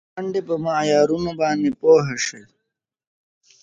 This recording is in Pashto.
د غانا متل وایي سازمېن تل ساز لري.